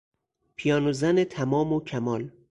پیانو زن تمام و کمال